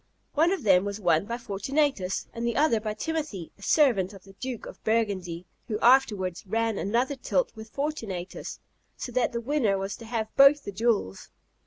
One of them was won by Fortunatus, and the other by Timothy, a servant of the Duke of Burgundy; who afterwards ran another tilt with Fortunatus, so that the winner was to have both the jewels.